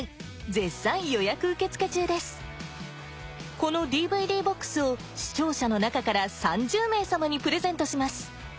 この ＤＶＤ−ＢＯＸ を視聴者の中から３０名様にプレゼントします